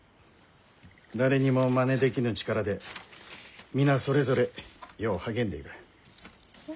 誰にもまねできぬ力で皆それぞれよう励んでいる。